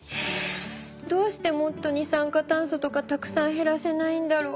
どうしてもっと二酸化炭素とかたくさん減らせないんだろう。